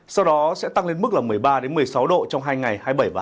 sau đó sẽ tăng lên mức một mươi ba một mươi sáu độ trong hai ngày hai mươi bảy hai mươi tám